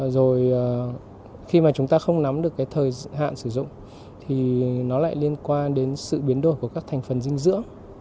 rồi khi mà chúng ta không nắm được cái thời hạn sử dụng thì nó lại liên quan đến sự biến đổi của các thành phần dinh dưỡng